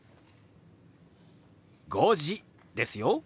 「５時」ですよ。